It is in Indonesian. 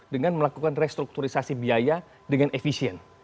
dengan melakukan restrukturisasi biaya dengan efisien